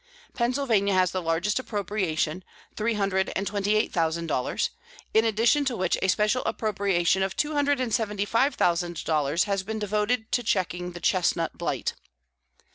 Pennsylvania has the largest appropriation, three hundred and twenty eight thousand dollars, in addition to which a special appropriation of two hundred and seventy five thousand dollars has been devoted to checking the chestnut blight.